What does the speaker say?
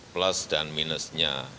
plus dan minusnya